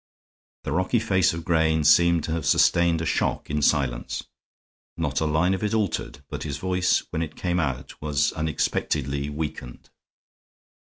The rocky face of Grayne seemed to have sustained a shock in silence; not a line of it altered, but his voice when it came was unexpectedly weakened.